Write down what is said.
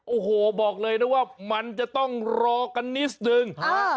โอ้โหบอกเลยนะว่ามันจะต้องรอกันนิดนึง